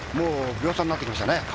秒差になってきましたね。